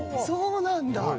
そうなんだ！